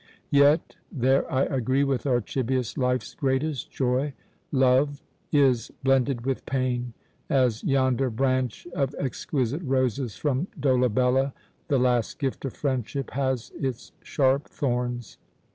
Yet there I agree with Archibius life's greatest joy love is blended with pain, as yonder branch of exquisite roses from Dolabella, the last gift of friendship, has its sharp thorns.